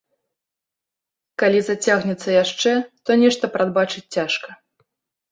Калі зацягнецца яшчэ, то нешта прадбачыць цяжка.